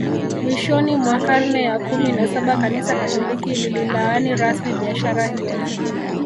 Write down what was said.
Mwishoni mwa karne ya kumi na Saba Kanisa Katoliki lililaani rasmi biashara hiyo